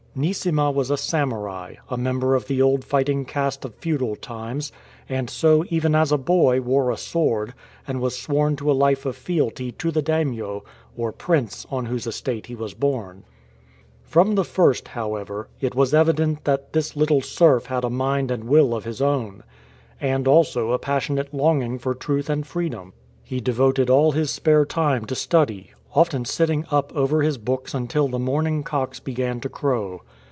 Neesima was a samurai, a member of the old fighting caste of feudal times, and so even as a boy wore a sword and was sworn to a life of fealty to the daimio or prince on whose estate he was born. From the first, however, it was evident that this little serf had a mind and will of his own, and also a passionate longing for truth and freedom. He devoted all his spare time to study, often sitting up over his books until the morning cocks began to crow.